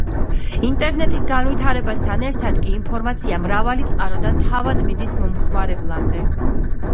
ინტერნეტის განვითარებასთან ერთად კი ინფორმაცია მრავალი წყაროდან თავად მიდის მომხმარებლამდე